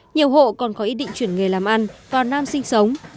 nhiều hộ còn có ý định chuyển nghề làm ăn vào nam sinh sống